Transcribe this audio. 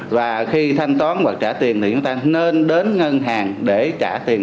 và khi thanh toán hoặc trả tiền thì chúng ta nên đến ngân hàng để trả tiền